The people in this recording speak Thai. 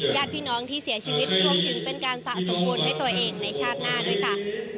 ญาติพี่น้องที่เสียชีวิตรวมถึงเป็นการสะสมบุญให้ตัวเองในชาติหน้าด้วยค่ะ